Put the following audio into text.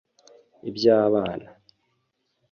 Iby’abana